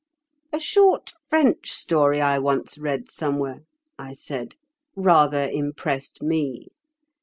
"A short French story I once read somewhere," I said, "rather impressed me.